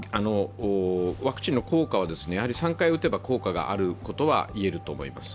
ワクチンの効果は３回打てば効果があることはいえると思います。